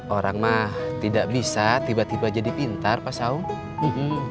orang mah tidak bisa tiba tiba jadi pintar pak saung